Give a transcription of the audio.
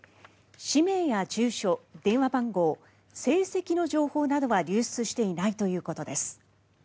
氏名や住所、電話番号成績の情報などは流出していないということです。